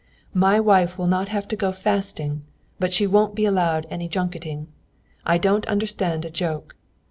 My wife will not have to go fasting, but she won't be allowed any junketing. I don't understand a joke.